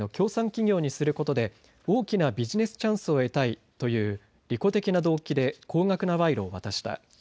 企業にすることで大きなビジネスチャンスを得たいという利己的な動機で高額な賄賂を渡した。